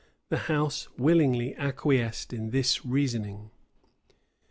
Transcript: [*] The house willingly acquiesced in this reasoning.